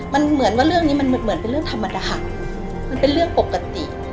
มันเหมือนว่าเรื่องนี้มันเหมือนเป็นเรื่องธรรมดาค่ะมันเป็นเรื่องปกติ